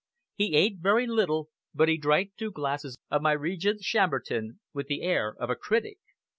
He ate very little, but he drank two glasses of my "Regents" Chambertin, with the air of a critic.